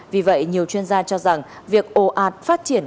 vì vậy nhiều chuyên gia cho rằng việc ồ ạt phát triển